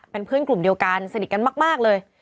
เป็นเพื่อนกลุ่มเดียวกันสนิทกันมากเลย